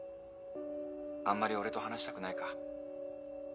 あんまり俺と話したくないか。